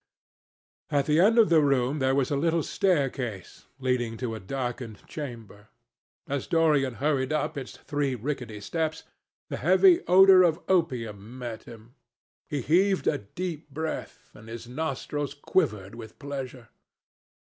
At the end of the room there was a little staircase, leading to a darkened chamber. As Dorian hurried up its three rickety steps, the heavy odour of opium met him. He heaved a deep breath, and his nostrils quivered with pleasure.